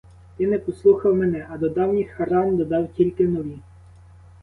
Ти не послухав мене, а до давніх ран додав тільки нові.